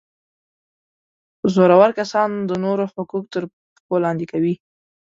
زورور کسان د نورو حقوق تر پښو لاندي کوي.